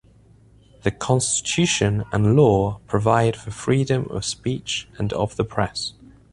The constitution and law provide for freedom of speech and of the press.